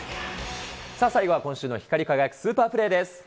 さあ、最後は今週の光り輝くスーパープレーです。